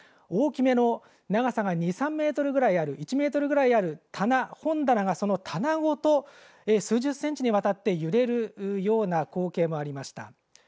大きめの長さが２３メートルぐらいある１メートルぐらいある棚、本棚がその棚ごと数十センチにわたって揺れるような光景もありました。